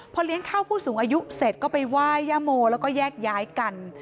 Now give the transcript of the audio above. พอเลี้ยงข้าวผู้สูงอายุเสร็จก็ไปไหว้ย่าโมแล้วก็แยกย้ายกัน